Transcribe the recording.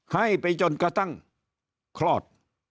ให้ไปจนกระทั่งคลอด